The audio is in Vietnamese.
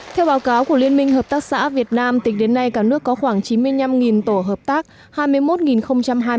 theo báo cáo của liên minh hợp tác xã việt nam tỉnh đến nay cả nước có khoảng chín mươi năm tổ hợp tác